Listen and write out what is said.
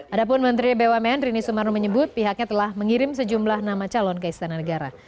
adapun menteri bumn rini sumarno menyebut pihaknya telah mengirim sejumlah nama calon ke istana negara